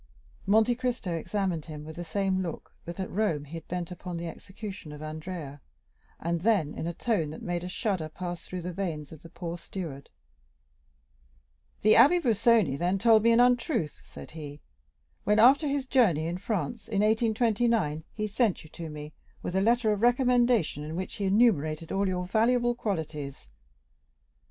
Monte Cristo examined him with the same look that, at Rome, he had bent upon the execution of Andrea, and then, in a tone that made a shudder pass through the veins of the poor steward— "The Abbé Busoni, then told me an untruth," said he, "when, after his journey in France, in 1829, he sent you to me, with a letter of recommendation, in which he enumerated all your valuable qualities.